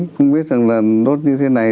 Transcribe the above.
không biết rằng là đốt như thế này